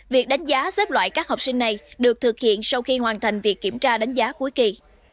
việc đánh giá xếp loại các học sinh này được thực hiện sau khi hoàn thành việc kiểm tra đánh giá cuối kỳ